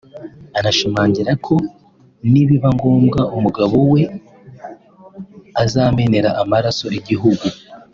anashimangira ko nibiba ngombwa umugabo we azamenera amaraso igihugu